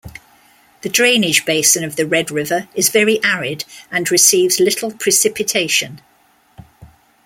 The drainage basin of the Red River is very arid and receives little precipitation.